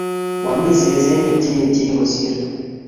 Momi sesenik che eechen kosir ni